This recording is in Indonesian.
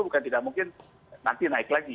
bukan tidak mungkin nanti naik lagi